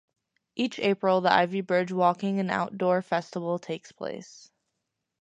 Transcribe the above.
Each April the Ivybridge walking and outdoor festival takes place.